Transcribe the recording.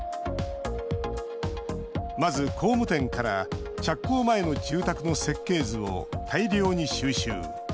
まず工務店から着工前の住宅の設計図を大量に収集。